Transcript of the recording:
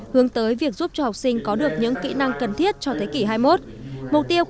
hướng tới việc giúp cho học sinh có được những kỹ năng cần thiết cho thế kỷ hai mươi một